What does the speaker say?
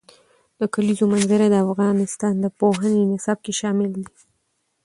د کلیزو منظره د افغانستان د پوهنې نصاب کې شامل دي.